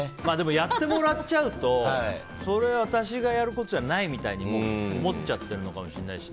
やってもらっちゃうとそれ私がやることじゃないとか思っちゃっているのかもしれないし。